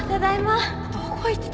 どこ行ってたの？